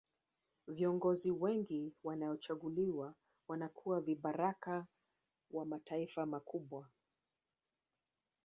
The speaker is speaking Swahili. viongozi wengi wanaochaguliwa wanakuwa vibaraka wa mataifa makubwa